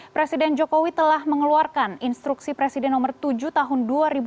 presiden jokowi telah mengeluarkan instruksi presiden nomor tujuh tahun dua ribu dua puluh